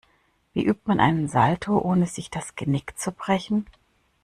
Wie übt man einen Salto, ohne sich das Genick zu brechen?